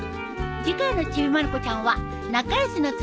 次回の『ちびまる子ちゃん』は。